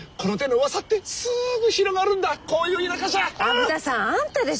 虻田さんあんたでしょ